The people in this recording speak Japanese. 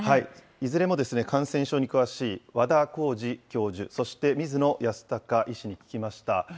いずれも感染症に詳しい和田耕治教授、そして水野泰孝医師に聞きました。